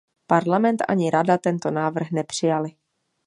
Parlament ani Rada tento návrh nepřijaly.